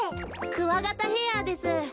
クワガタヘアです。